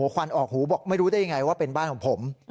ควันออกหูบอกไม่รู้ได้ยังไงว่าเป็นบ้านของผม